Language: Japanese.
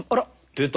出た。